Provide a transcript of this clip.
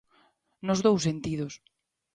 Nos dous sentidos.